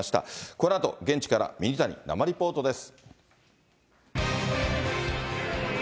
このあと現地からミニタニ生リポートです。